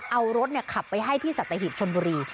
เอารถขับไปให้ที่สัตหิบชนบุรี